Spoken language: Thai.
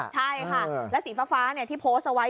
ใช่ค่ะแล้วสีฟ้าที่โพสต์เอาไว้